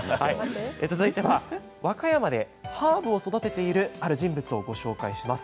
続いては和歌山でハーブを育てているある人物をご紹介します。